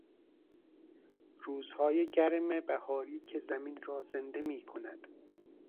روزهای گرم بهاری که زمین را زنده میکند.